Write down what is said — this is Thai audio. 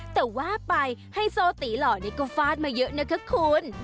แต่ว่าไปไฮโซตีหล่อนี่ก็ฟาดมาเยอะนะคะคุณ